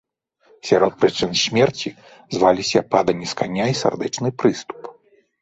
Сярод прычын смерці зваліся паданне з каня і сардэчны прыступ.